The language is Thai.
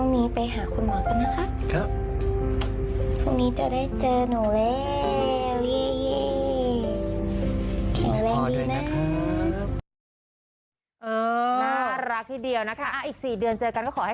แล้วพรุ่งนี้ไปหาคุณหมอคะนะคะ